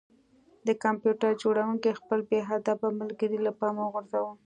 د کمپیوټر جوړونکي خپل بې ادبه ملګری له پامه وغورځاوه